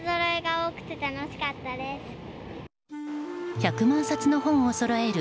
１００万冊の本をそろえる